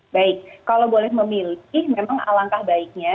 baik kalau boleh memilih memang alangkah baiknya